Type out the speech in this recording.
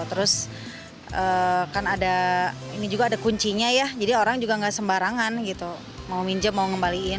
terus kan ada kuncinya ya jadi orang juga nggak sembarangan mau minjam mau ngembalikan